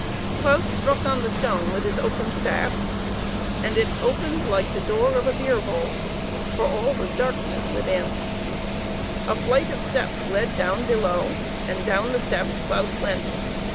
Claus struck on the stone with his oaken staff, and it opened like the door of a beer vault, for all was blackness within. A flight of steps led down below, and down the steps Claus went.